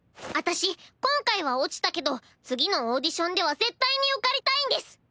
私今回は落ちたけど次のオーディションでは絶対に受かりたいんです。